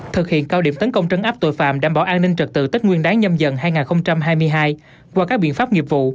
thực hiện cao điểm tấn công trấn áp tội phạm đảm bảo an ninh trật tự tết nguyên đáng nhâm dần hai nghìn hai mươi hai qua các biện pháp nghiệp vụ